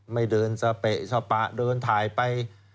ไม่เดินสเปะสปะเดินถ่ายไป